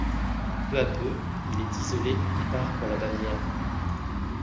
Peu à peu, il est isolé et part pour la Bavière.